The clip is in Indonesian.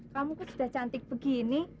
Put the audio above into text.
kamu kan sudah cantik begini